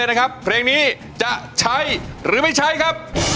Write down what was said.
ยืนยันนะคะว่าร้องได้นะคะ